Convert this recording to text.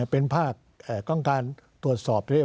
เป็นภาคต้องการตรวจสอบด้วย